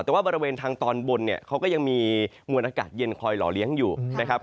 แต่ว่าบริเวณทางตอนบนเนี่ยเขาก็ยังมีมวลอากาศเย็นคอยหล่อเลี้ยงอยู่นะครับ